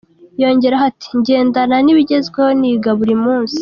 Yongeraho ati “Ngendana n’ibigezweho, niga buri munsi.